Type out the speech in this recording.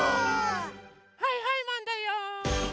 はいはいマンだよ！